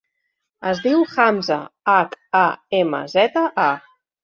Es diu Hamza: hac, a, ema, zeta, a.